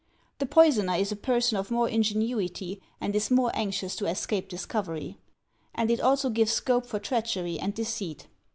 The poisoner is a person of more ingenuity and is more anxious to escape dis covery; and it also gives scope for treachery and deceit.